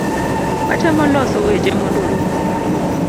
Watemo loso weche mondo orum